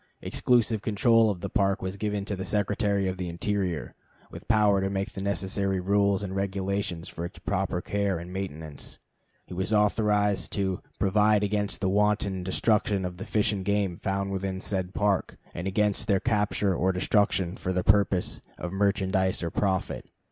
Exclusive control of the Park was given to the Secretary of the Interior, with power to make the necessary rules and regulations for its proper care and maintenance. He was authorized to "provide against the wanton destruction of the fish and game found within said Park, and against their capture or destruction for the purpose of merchandise or profit."